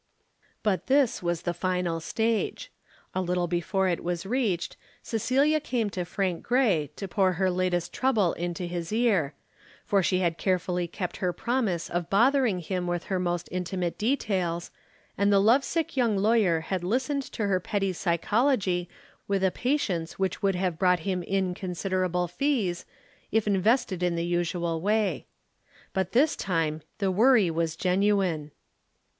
But this was the final stage. A little before it was reached Cecilia came to Frank Grey to pour her latest trouble into his ear, for she had carefully kept her promise of bothering him with her most intimate details, and the love sick young lawyer had listened to her petty psychology with a patience which would have brought him in considerable fees if invested in the usual way. But this time the worry was genuine.